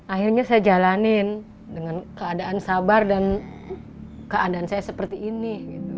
akhirnya saya jalanin dengan keadaan sabar dan keadaan saya seperti ini